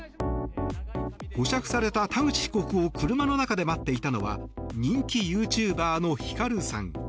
保釈された田口被告を車の中で待っていたのは人気ユーチューバーのヒカルさん。